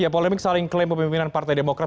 polemik saling klaim pemimpinan partai demokrat